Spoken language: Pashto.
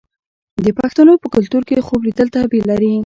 د پښتنو په کلتور کې خوب لیدل تعبیر لري.